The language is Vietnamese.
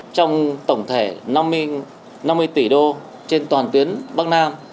trong tổng thể năm mươi tỷ đô trên toàn tuyến bắc nam